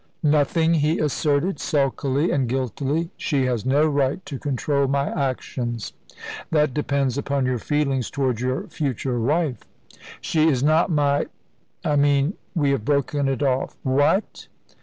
"Nothing," he asserted, sulkily and guiltily; "she has no right to control my actions." "That depends upon your feelings towards your future wife." "She is not my I mean, we have broken it off." "What!"